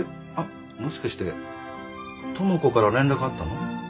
もしかして智子から連絡あったの？